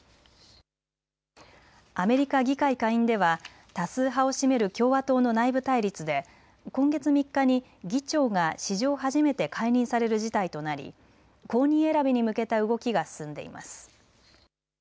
アメリカ議会下院では多数派を占める共和党の内部対立で今月３日に議長が史上初めて解任される事態となり後任選びに向けた動きが進んでいます。